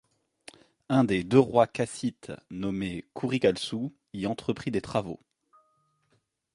Un des deux rois kassites nommé Kurigalzu y entreprit des travaux.